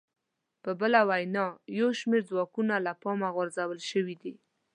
په بله وینا یو شمېر ځواکونه له پامه غورځول شوي دي